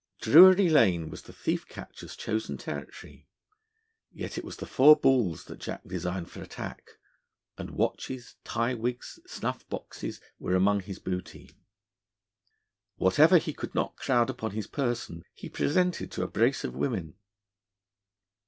Drury Lane was the thief catcher's chosen territory; yet it was the Four Balls that Jack designed for attack, and watches, tie wigs, snuff boxes were among his booty. Whatever he could not crowd upon his person he presented to a brace of women.